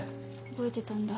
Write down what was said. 覚えてたんだ。